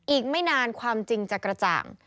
อีกไม่นานความจริงจะกระจ่าง